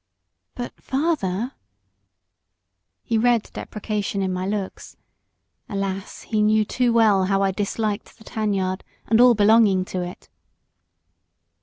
"But, father " He read deprecation in my looks alas! he knew too well how I disliked the tan yard and all belonging to it.